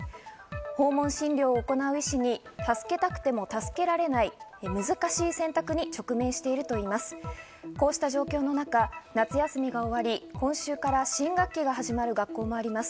訪問診療を行う医師は助けたくても助けられない難しい選択に直面しているといいます。